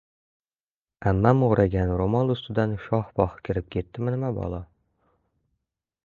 Ammam o‘ragan ro‘mol ustidan shox-pox kirib ketdimi, nima balo?